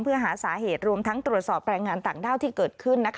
เพื่อหาสาเหตุรวมทั้งตรวจสอบแรงงานต่างด้าวที่เกิดขึ้น